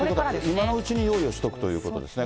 今のうちに用意をしておくということですね。